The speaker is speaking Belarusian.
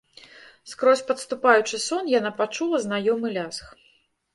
Скорзь падступаючы сон яна пачула знаёмы лязг.